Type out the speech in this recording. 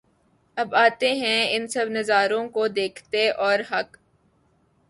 اب آتے ہیں ان سب نظاروں کو دیکھتے اور حق